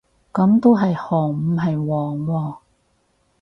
噉都係紅唔係黃喎